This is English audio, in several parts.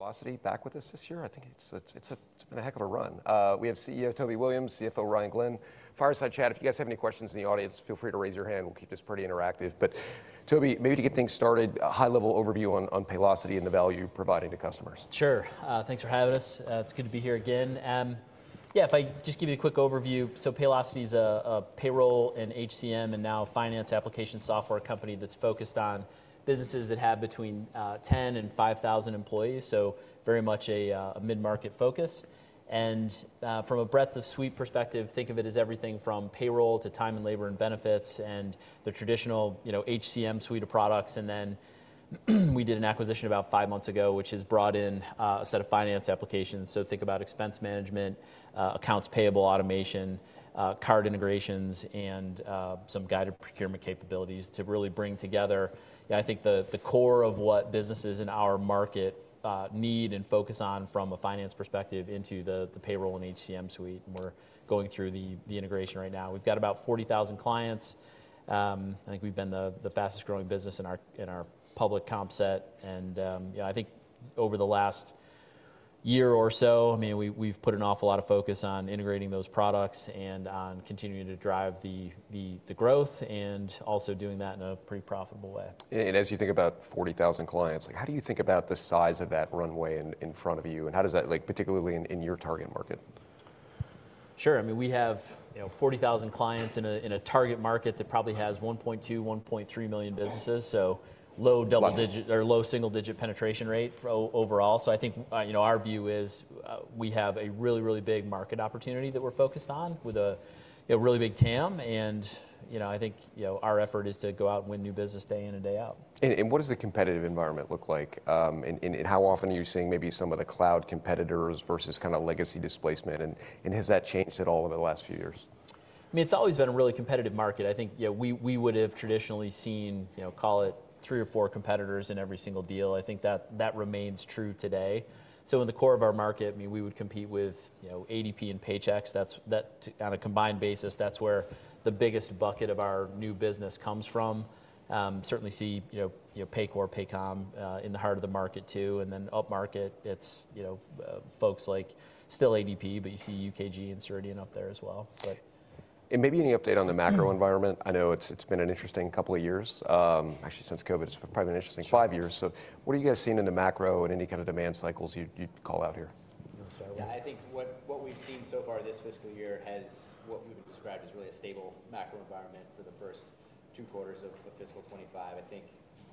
Paylocity back with us this year. I think it's been a heck of a run. We have CEO Toby Williams, CFO Ryan Glenn. Fireside chat, if you guys have any questions in the audience, feel free to raise your hand. We'll keep this pretty interactive. But Toby, maybe to get things started, a high-level overview on Paylocity and the value you're providing to customers? Sure. Thanks for having us. It's good to be here again. Yeah, if I just give you a quick overview. So Paylocity is a payroll and HCM, and now finance application software company that's focused on businesses that have between 10 and 5,000 employees, so very much a mid-market focus. And from a breadth of suite perspective, think of it as everything from payroll to time and labor and benefits and the traditional HCM suite of products. And then we did an acquisition about five months ago, which has brought in a set of finance applications. So think about expense management, accounts payable automation, card integrations, and some guided procurement capabilities to really bring together, I think, the core of what businesses in our market need and focus on from a finance perspective into the payroll and HCM suite. And we're going through the integration right now. We've got about 40,000 clients. I think we've been the fastest-growing business in our public comp set. And I think over the last year or so, I mean, we've put an awful lot of focus on integrating those products and on continuing to drive the growth and also doing that in a pretty profitable way. As you think about 40,000 clients, how do you think about the size of that runway in front of you? How does that, particularly in your target market? Sure. I mean, we have 40,000 clients in a target market that probably has 1.2-1.3 million businesses, so low single-digit penetration rate overall. So I think our view is we have a really, really big market opportunity that we're focused on with a really big TAM. And I think our effort is to go out and win new business day in and day out. What does the competitive environment look like? How often are you seeing maybe some of the cloud competitors versus kind of legacy displacement? Has that changed at all over the last few years? I mean, it's always been a really competitive market. I think we would have traditionally seen, call it, three or four competitors in every single deal. I think that remains true today. So in the core of our market, I mean, we would compete with ADP and Paychex. On a combined basis, that's where the biggest bucket of our new business comes from. Certainly see Paycor, Paycom in the heart of the market too. And then up market, it's folks like still ADP, but you see UKG and Ceridian up there as well. And maybe any update on the macro environment? I know it's been an interesting couple of years. Actually, since COVID, it's probably been an interesting five years. So what are you guys seeing in the macro and any kind of demand cycles you'd call out here? Yeah, I think what we've seen so far this fiscal year has what we would describe as really a stable macro environment for the first two quarters of fiscal 2025. I think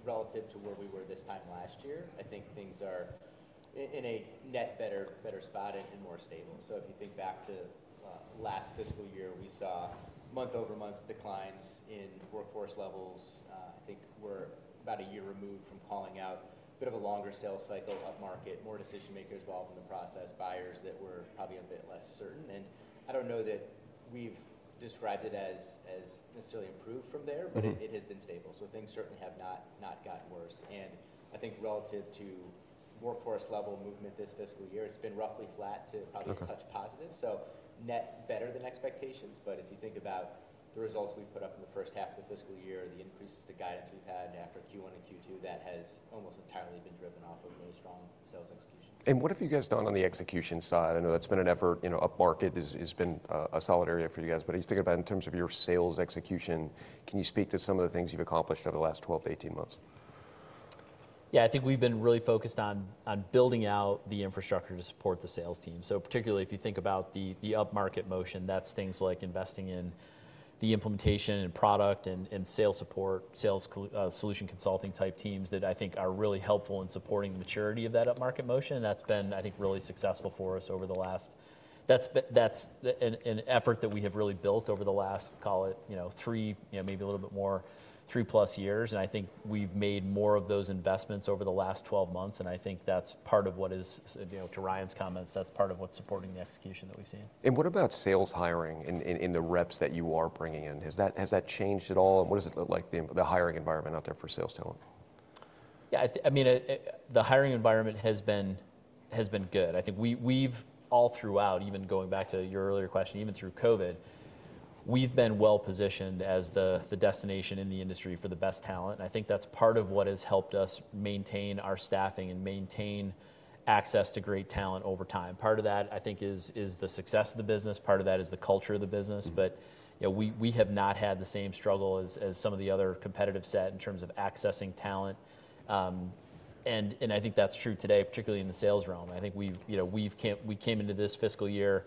relative to where we were this time last year, I think things are in a net better spot and more stable. So if you think back to last fiscal year, we saw month-over-month declines in workforce levels. I think we're about a year removed from calling out a bit of a longer sales cycle up-market, more decision-makers involved in the process, buyers that were probably a bit less certain. And I don't know that we've described it as necessarily improved from there, but it has been stable. So things certainly have not gotten worse. And I think relative to workforce level movement this fiscal year, it's been roughly flat to probably touch positive. So, net better than expectations. But if you think about the results we put up in the first half of the fiscal year, the increases to guidance we've had after Q1 and Q2, that has almost entirely been driven off of really strong sales execution. And what have you guys done on the execution side? I know that's been an effort. Up-market has been a solid area for you guys. But if you think about in terms of your sales execution, can you speak to some of the things you've accomplished over the last 12-18 months? Yeah, I think we've been really focused on building out the infrastructure to support the sales team. So particularly if you think about the up market motion, that's things like investing in the implementation and product and sales support, sales solution consulting type teams that I think are really helpful in supporting the maturity of that up market motion. And that's been, I think, really successful for us. That's an effort that we have really built over the last, call it three, maybe a little bit more, three-plus years. And I think we've made more of those investments over the last 12 months. And I think that's part of what is, to Ryan's comments, that's part of what's supporting the execution that we've seen. What about sales hiring and the reps that you are bringing in? Has that changed at all? What does it look like, the hiring environment out there for sales talent? Yeah, I mean, the hiring environment has been good. I think we've all throughout, even going back to your earlier question, even through COVID, we've been well-positioned as the destination in the industry for the best talent. And I think that's part of what has helped us maintain our staffing and maintain access to great talent over time. Part of that, I think, is the success of the business. Part of that is the culture of the business. But we have not had the same struggle as some of the other competitive set in terms of accessing talent. And I think that's true today, particularly in the sales realm. I think we came into this fiscal year,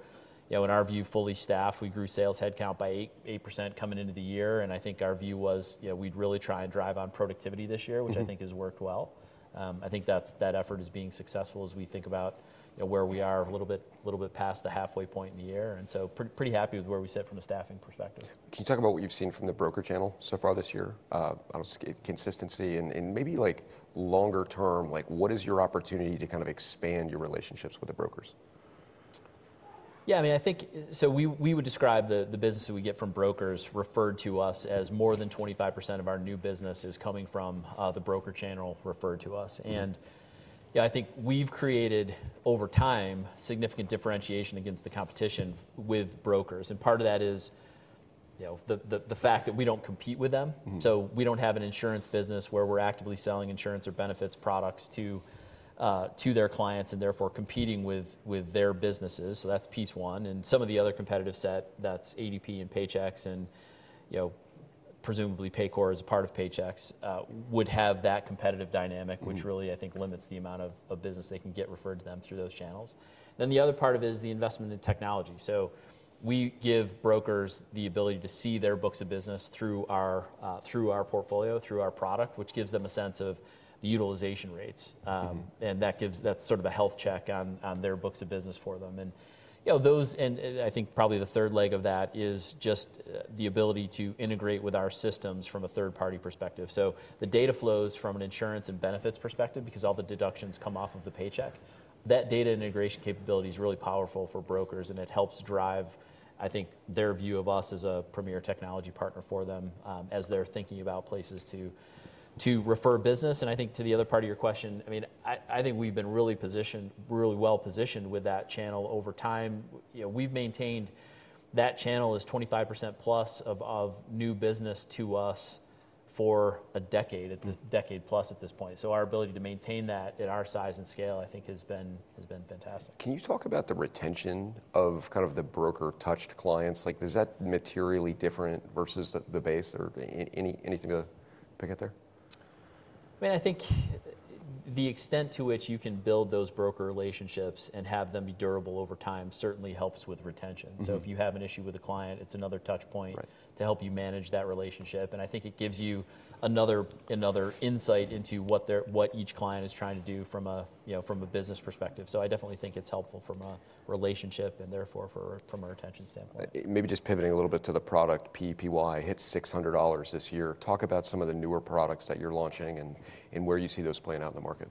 in our view, fully staffed. We grew sales headcount by 8% coming into the year. And I think our view was we'd really try and drive on productivity this year, which I think has worked well. I think that effort is being successful as we think about where we are a little bit past the halfway point in the year. And so pretty happy with where we sit from a staffing perspective. Can you talk about what you've seen from the broker channel so far this year on consistency and maybe longer term? What is your opportunity to kind of expand your relationships with the brokers? Yeah, I mean, I think, so we would describe the business that we get from brokers referred to us as more than 25% of our new business is coming from the broker channel referred to us. And I think we've created over time significant differentiation against the competition with brokers. And part of that is the fact that we don't compete with them. So we don't have an insurance business where we're actively selling insurance or benefits products to their clients and therefore competing with their businesses. So that's piece one. And some of the other competitive set, that's ADP and Paychex and presumably Paycor as a part of Paychex, would have that competitive dynamic, which really, I think, limits the amount of business they can get referred to them through those channels. Then the other part of it is the investment in technology. So we give brokers the ability to see their books of business through our portfolio, through our product, which gives them a sense of the utilization rates. And that's sort of a health check on their books of business for them. And I think probably the third leg of that is just the ability to integrate with our systems from a third-party perspective. So the data flows from an insurance and benefits perspective because all the deductions come off of the paycheck. That data integration capability is really powerful for brokers. And it helps drive, I think, their view of us as a premier technology partner for them as they're thinking about places to refer business. And I think to the other part of your question, I mean, I think we've been really well-positioned with that channel over time. We've maintained that channel as 25% plus of new business to us for a decade, a decade plus at this point. So our ability to maintain that at our size and scale, I think, has been fantastic. Can you talk about the retention of kind of the broker-touched clients? Is that materially different versus the base? Anything to pick at there? I mean, I think the extent to which you can build those broker relationships and have them be durable over time certainly helps with retention. So if you have an issue with a client, it's another touchpoint to help you manage that relationship. And I think it gives you another insight into what each client is trying to do from a business perspective. So I definitely think it's helpful from a relationship and therefore from a retention standpoint. Maybe just pivoting a little bit to the product, PEPY, hit $600 this year. Talk about some of the newer products that you're launching and where you see those playing out in the market.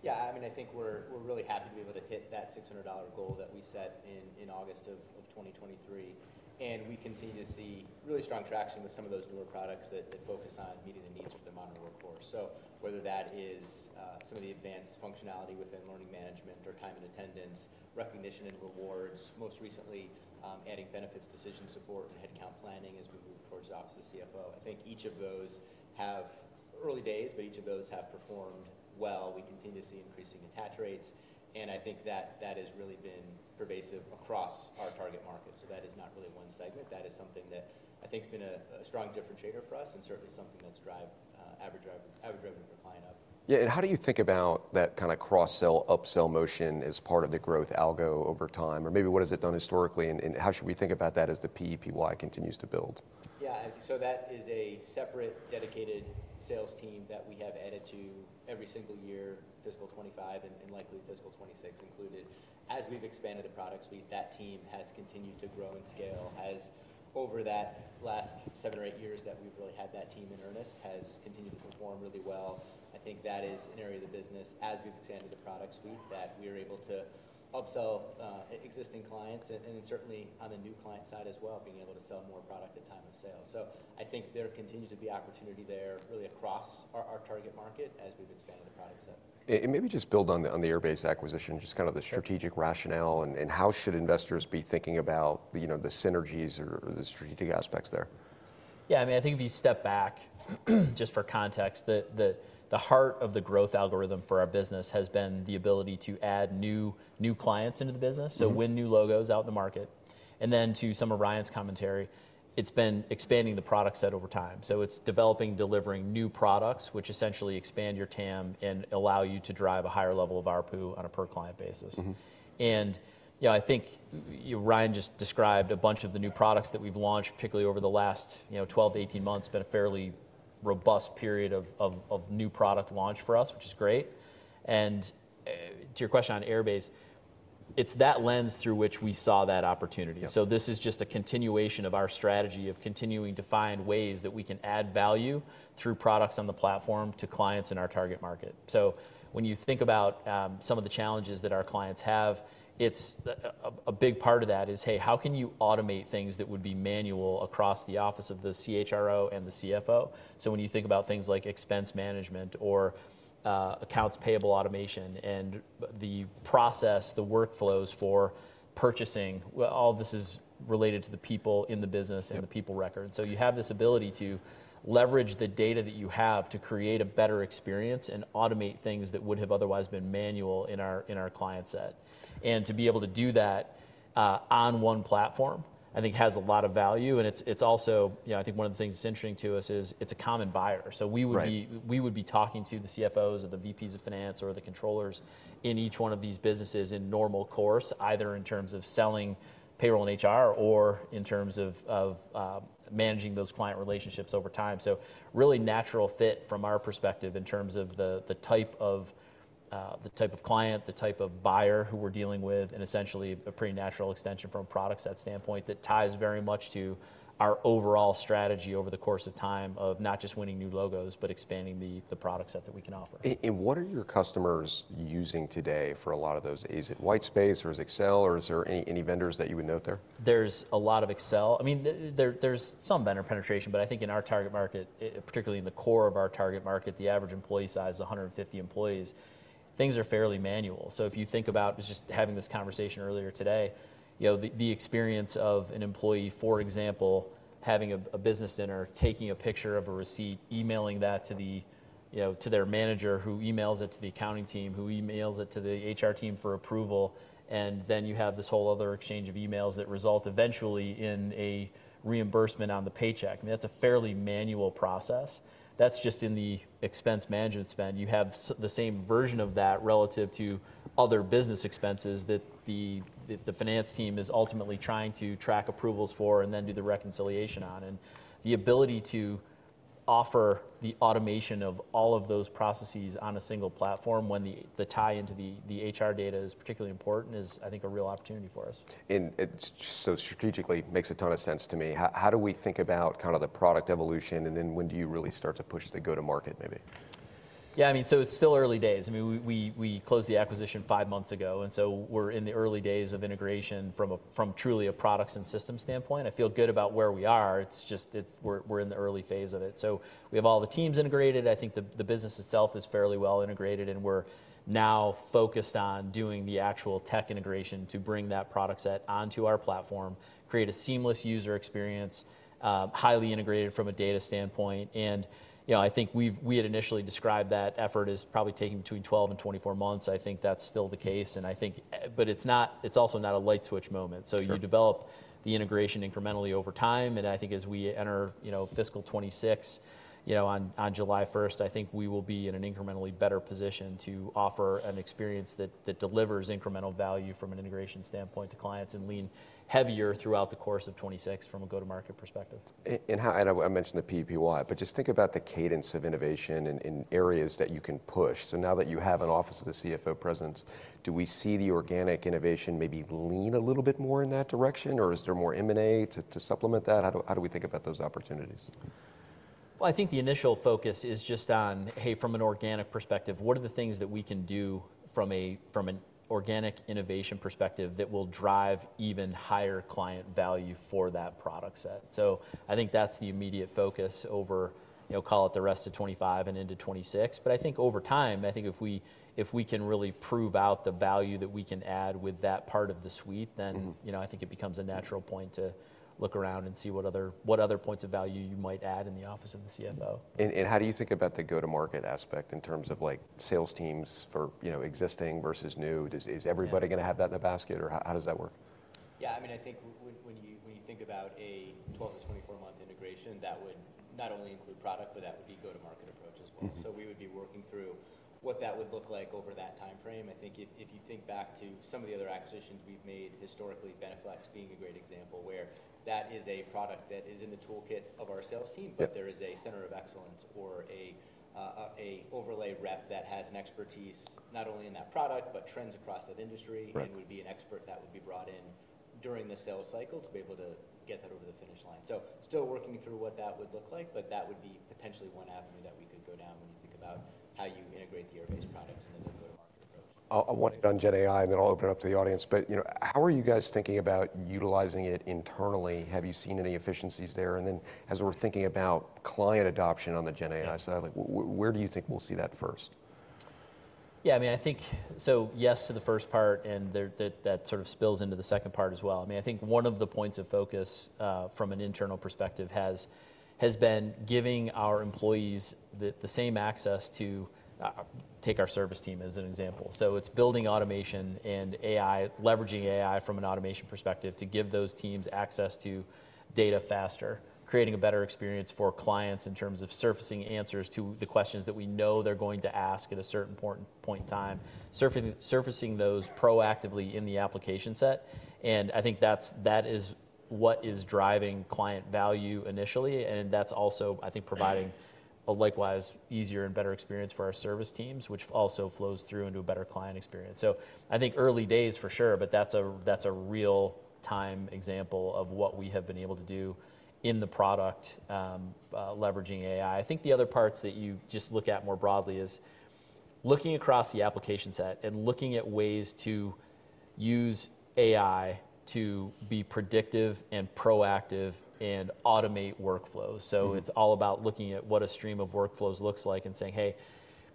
Yeah, I mean, I think we're really happy to be able to hit that $600 goal that we set in August of 2023. And we continue to see really strong traction with some of those newer products that focus on meeting the needs of the modern workforce. So whether that is some of the advanced functionality within learning management or time and attendance, recognition and rewards, most recently adding benefits decision support and headcount planning as we move towards the office of CFO. I think each of those have early days, but each of those have performed well. We continue to see increasing attach rates. And I think that that has really been pervasive across our target market. So that is not really one segment. That is something that I think has been a strong differentiator for us and certainly something that's driven average revenue per client up. Yeah. And how do you think about that kind of cross-sell upsell motion as part of the growth algo over time? Or maybe what has it done historically? And how should we think about that as the PEPY continues to build? Yeah. So that is a separate dedicated sales team that we have added to every single year, fiscal 2025 and likely fiscal 2026 included. As we've expanded the product suite, that team has continued to grow in scale. Over that last seven or eight years that we've really had that team in earnest, it has continued to perform really well. I think that is an area of the business as we've expanded the product suite that we are able to upsell existing clients and then certainly on the new client side as well, being able to sell more product at time of sale. There continues to be opportunity there really across our target market as we've expanded the product set. Maybe just build on the Airbase acquisition, just kind of the strategic rationale and how should investors be thinking about the synergies or the strategic aspects there? Yeah. I mean, I think if you step back, just for context, the heart of the growth algorithm for our business has been the ability to add new clients into the business, so win new logos out in the market. And then to some of Ryan's commentary, it's been expanding the product set over time. So it's developing, delivering new products, which essentially expand your TAM and allow you to drive a higher level of RPU on a per-client basis. And I think Ryan just described a bunch of the new products that we've launched, particularly over the last 12-18 months, been a fairly robust period of new product launch for us, which is great. And to your question on Airbase, it's that lens through which we saw that opportunity. So this is just a continuation of our strategy of continuing to find ways that we can add value through products on the platform to clients in our target market. So when you think about some of the challenges that our clients have, a big part of that is, hey, how can you automate things that would be manual across the office of the CHRO and the CFO? So when you think about things like expense management or accounts payable automation and the process, the workflows for purchasing, all of this is related to the people in the business and the people record. So you have this ability to leverage the data that you have to create a better experience and automate things that would have otherwise been manual in our client set. And to be able to do that on one platform, I think has a lot of value. It's also, I think one of the things that's interesting to us is it's a common buyer. So we would be talking to the CFOs or the VPs of finance or the controllers in each one of these businesses in normal course, either in terms of selling payroll and HR or in terms of managing those client relationships over time. So really natural fit from our perspective in terms of the type of client, the type of buyer who we're dealing with, and essentially a pretty natural extension from a product set standpoint that ties very much to our overall strategy over the course of time of not just winning new logos, but expanding the product set that we can offer. And what are your customers using today for a lot of those? Is it white space or is it Excel or is there any vendors that you would note there? There's a lot of Excel. I mean, there's some vendor penetration, but I think in our target market, particularly in the core of our target market, the average employee size is 150 employees. Things are fairly manual. So if you think about just having this conversation earlier today, the experience of an employee, for example, having a business dinner, taking a picture of a receipt, emailing that to their manager who emails it to the accounting team, who emails it to the HR team for approval, and then you have this whole other exchange of emails that result eventually in a reimbursement on the paycheck. I mean, that's a fairly manual process. That's just in the expense management spend. You have the same version of that relative to other business expenses that the finance team is ultimately trying to track approvals for and then do the reconciliation on. The ability to offer the automation of all of those processes on a single platform when the tie into the HR data is particularly important is, I think, a real opportunity for us. And it just so strategically makes a ton of sense to me. How do we think about kind of the product evolution and then when do you really start to push the go-to-market maybe? Yeah, I mean, so it's still early days. I mean, we closed the acquisition five months ago. And so we're in the early days of integration from truly a products and system standpoint. I feel good about where we are. It's just we're in the early phase of it. So we have all the teams integrated. I think the business itself is fairly well integrated. And we're now focused on doing the actual tech integration to bring that product set onto our platform, create a seamless user experience, highly integrated from a data standpoint. And I think we had initially described that effort as probably taking between 12 and 24 months. I think that's still the case. And I think, but it's also not a light switch moment. So you develop the integration incrementally over time. And I think as we enter fiscal 2026 on July 1st, I think we will be in an incrementally better position to offer an experience that delivers incremental value from an integration standpoint to clients and lean heavier throughout the course of 2026 from a go-to-market perspective. I mentioned the PEPY, but just think about the cadence of innovation in areas that you can push. So now that you have an office of the CFO presence, do we see the organic innovation maybe lean a little bit more in that direction? Or is there more M&A to supplement that? How do we think about those opportunities? I think the initial focus is just on, hey, from an organic perspective, what are the things that we can do from an organic innovation perspective that will drive even higher client value for that product set? So I think that's the immediate focus over, call it the rest of 2025 and into 2026. But I think over time, I think if we can really prove out the value that we can add with that part of the suite, then I think it becomes a natural point to look around and see what other points of value you might add in the office of the CFO. How do you think about the go-to-market aspect in terms of sales teams for existing versus new? Is everybody going to have that in the basket? Or how does that work? Yeah. I mean, I think when you think about a 12-24-month integration, that would not only include product, but that would be go-to-market approach as well. So we would be working through what that would look like over that time frame. I think if you think back to some of the other acquisitions we've made historically, BeneFLEX being a great example, where that is a product that is in the toolkit of our sales team, but there is a center of excellence or an overlay rep that has an expertise not only in that product, but trends across that industry and would be an expert that would be brought in during the sales cycle to be able to get that over the finish line. So still working through what that would look like, but that would be potentially one avenue that we could go down when you think about how you integrate the Airbase products and then the go-to-market approach. I want to get on GenAI and then I'll open it up to the audience. But how are you guys thinking about utilizing it internally? Have you seen any efficiencies there? And then as we're thinking about client adoption on the GenAI side, where do you think we'll see that first? Yeah. I mean, I think, so yes to the first part and that sort of spills into the second part as well. I mean, I think one of the points of focus from an internal perspective has been giving our employees the same access to take our service team as an example. So it's building automation and leveraging AI from an automation perspective to give those teams access to data faster, creating a better experience for clients in terms of surfacing answers to the questions that we know they're going to ask at a certain point in time, surfacing those proactively in the application set. And I think that is what is driving client value initially. And that's also, I think, providing a likewise easier and better experience for our service teams, which also flows through into a better client experience. So I think early days for sure, but that's a real-time example of what we have been able to do in the product leveraging AI. I think the other parts that you just look at more broadly is looking across the application set and looking at ways to use AI to be predictive and proactive and automate workflows. So it's all about looking at what a stream of workflows looks like and saying, "Hey,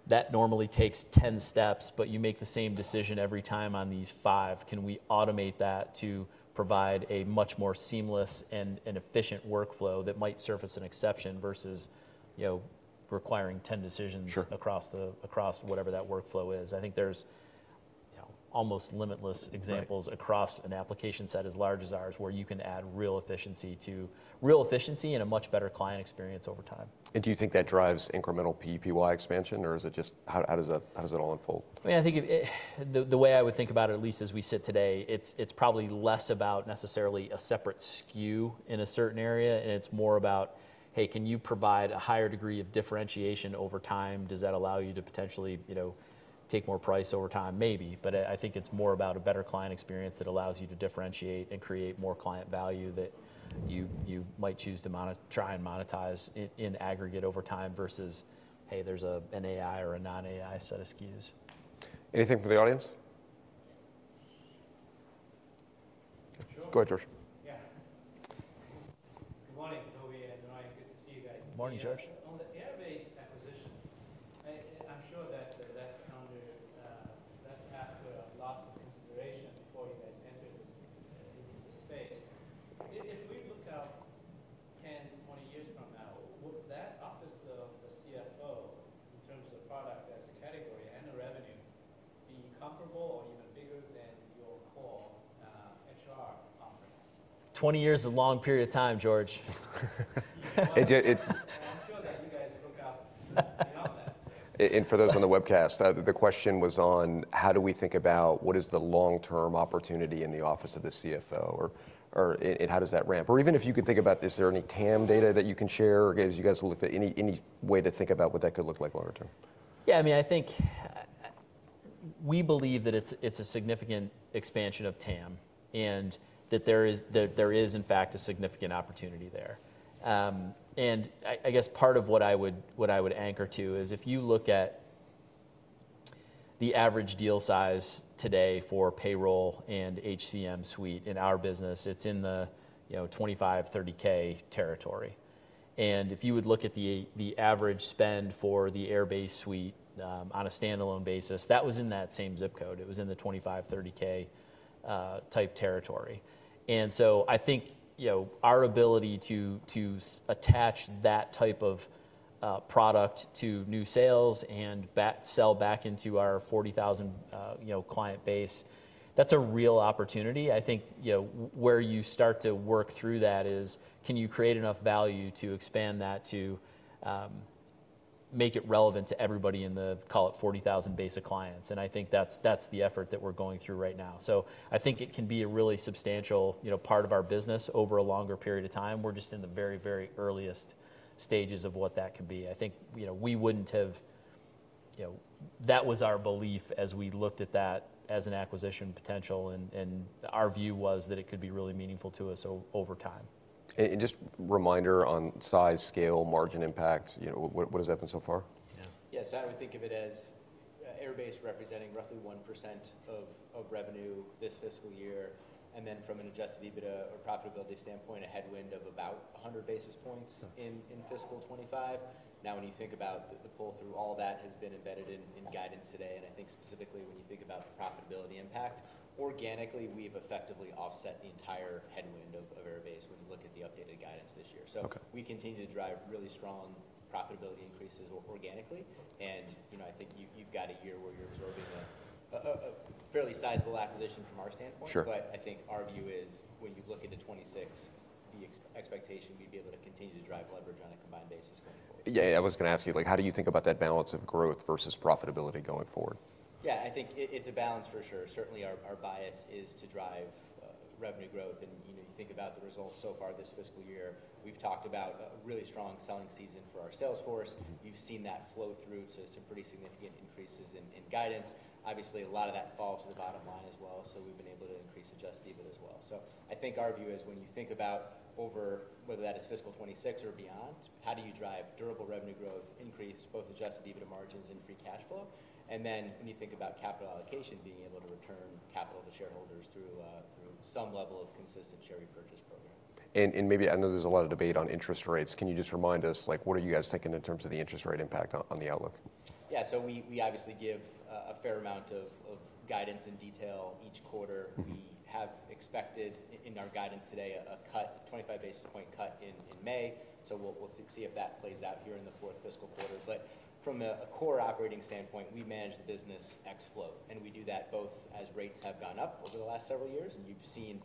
that normally takes 10 steps, but you make the same decision every time on these five. Can we automate that to provide a much more seamless and efficient workflow that might surface an exception versus requiring 10 decisions across whatever that workflow is?" I think there's almost limitless examples across an application set as large as ours where you can add real efficiency to real efficiency and a much better client experience over time. Do you think that drives incremental PEPY expansion? Or is it just how does it all unfold? I mean, I think the way I would think about it, at least as we sit today, it's probably less about necessarily a separate SKU in a certain area. And it's more about, "Hey, can you provide a higher degree of differentiation over time? Does that allow you to potentially take more price over time?" Maybe. But I think it's more about a better client experience that allows you to differentiate and create more client value that you might choose to try and monetize in aggregate over time versus, "Hey, there's an AI or a non-AI set of SKUs. Anything for the audience? Go ahead, George. Yeah. Good morning, Toby and Ryan. Good to see you guys. Morning, George. On the Airbase acquisition, I'm sure that that's after lots of consideration before you guys entered into the space. If we look out 10, 20 years from now, would that office of the CFO in terms of product as a category and the revenue be comparable or even bigger than your core HR offerings? 20 years is a long period of time, George. I'm sure that you guys look out beyond that. And for those on the webcast, the question was on how do we think about what is the long-term opportunity in the office of the CFO? Or how does that ramp? Or even if you could think about, is there any TAM data that you can share? Or as you guys looked at any way to think about what that could look like longer term? Yeah. I mean, I think we believe that it's a significant expansion of TAM and that there is, in fact, a significant opportunity there, and I guess part of what I would anchor to is if you look at the average deal size today for payroll and HCM suite in our business, it's in the $25,000-$30,000 territory, and if you would look at the average spend for the Airbase suite on a standalone basis, that was in that same zip code. It was in the $25,000-$30,000 type territory, and so I think our ability to attach that type of product to new sales and sell back into our 40,000 client base, that's a real opportunity. I think where you start to work through that is, can you create enough value to expand that to make it relevant to everybody in the, call it 40,000 base of clients? I think that's the effort that we're going through right now. I think it can be a really substantial part of our business over a longer period of time. We're just in the very, very earliest stages of what that could be. I think we wouldn't have. That was our belief as we looked at that as an acquisition potential. Our view was that it could be really meaningful to us over time. Just reminder on size, scale, margin impact, what has happened so far? Yeah. So I would think of it as Airbase representing roughly 1% of revenue this fiscal year, and then from an Adjusted EBITDA or profitability standpoint, a headwind of about 100 basis points in fiscal 2025. Now, when you think about the pull through, all that has been embedded in guidance today, and I think specifically when you think about the profitability impact, organically, we've effectively offset the entire headwind of Airbase when you look at the updated guidance this year, so we continue to drive really strong profitability increases organically, and I think you've got a year where you're absorbing a fairly sizable acquisition from our standpoint, but I think our view is when you look into 2026, the expectation we'd be able to continue to drive leverage on a combined basis going forward. Yeah. I was going to ask you, how do you think about that balance of growth versus profitability going forward? Yeah. I think it's a balance for sure. Certainly, our bias is to drive revenue growth. And you think about the results so far this fiscal year. We've talked about a really strong selling season for our sales force. You've seen that flow through to some pretty significant increases in guidance. Obviously, a lot of that falls to the bottom line as well. So we've been able to increase Adjusted EBITDA as well. So I think our view is when you think about over whether that is fiscal 2026 or beyond, how do you drive durable revenue growth, increase both Adjusted EBITDA margins and free cash flow? And then when you think about capital allocation, being able to return capital to shareholders through some level of consistent share repurchase program. Maybe I know there's a lot of debate on interest rates. Can you just remind us, what are you guys thinking in terms of the interest rate impact on the outlook? Yeah. So we obviously give a fair amount of guidance and detail each quarter. We have expected in our guidance today a cut, a 25 basis point cut in May. So we'll see if that plays out here in the fourth fiscal quarter. But from a core operating standpoint, we manage the business ex-float. And we do that both as rates have gone up over the last several years. And you've seen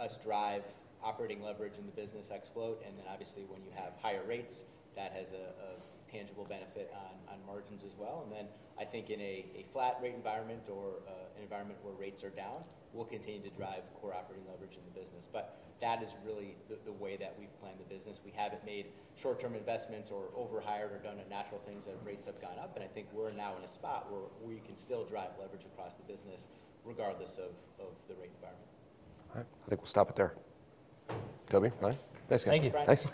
us drive operating leverage in the business ex-float. And then obviously, when you have higher rates, that has a tangible benefit on margins as well. And then I think in a flat rate environment or an environment where rates are down, we'll continue to drive core operating leverage in the business. But that is really the way that we've planned the business. We haven't made short-term investments or overhired or done a natural thing so that rates have gone up, and I think we're now in a spot where we can still drive leverage across the business regardless of the rate environment. All right. I think we'll stop it there. Toby, Ryan. Thanks, guys. Thank you. Thanks.